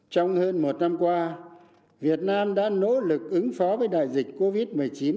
trong hơn một năm qua việt nam đã nỗ lực ứng phó với đại dịch covid một mươi chín